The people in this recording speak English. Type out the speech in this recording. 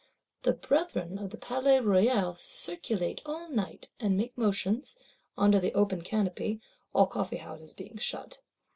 The brethren of the Palais Royal "circulate all night," and make motions, under the open canopy; all Coffee houses being shut.